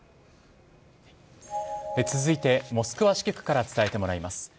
続いてモスクワ支局から伝えてもらいます。